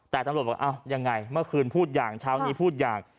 แต่ตำรวจบอกอ้าวยังไงเมื่อคืนพูดอย่างเช้านี้พูดอย่าง